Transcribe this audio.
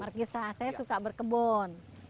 markisa saya suka berkebun